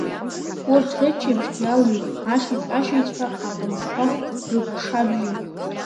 Урт рыччабжьы иалыҩуан ашиҵә-ашиҵәҳәа аҟамчқуа рыкшабжьы…